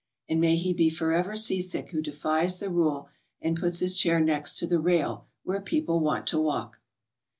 And may he be forever seasick who defies the rule and puts his chair next the rail, where people want to walk!